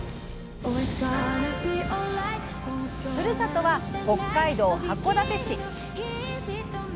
ふるさとは北海道函館市。